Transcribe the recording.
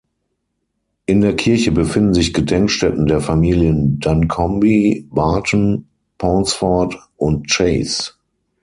In der Kirche befinden sich Gedenkstätten der Familien Duncombe, Barton, Pauncefort und Chase.